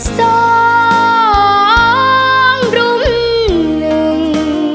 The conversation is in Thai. สองรุมหนึ่ง